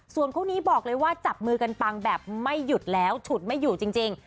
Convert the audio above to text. ส่วนคู่นี้บอกเลยว่าจับมือกันปังแบบไม่หยุดแล้วฉุดไม่อยู่จริง